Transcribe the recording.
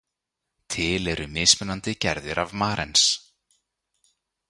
Til eru mismunandi gerðir af marens.